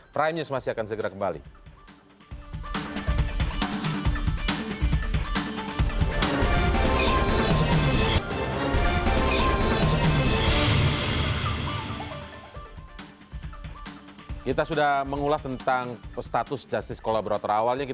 prime news masih akan segera kembali